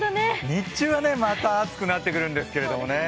日中はまた暑くなってくるんですけれどもね。